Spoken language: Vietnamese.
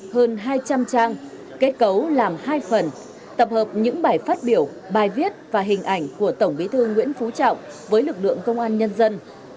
hơn hai trăm linh trang kết cấu làm hai phần tập hợp những bài phát biểu bài viết và hình ảnh của tổng bí thư nguyễn phú trọng với lực lượng công an nhân dân